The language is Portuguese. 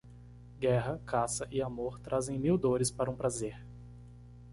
Guerra, caça e amor trazem mil dores para um prazer.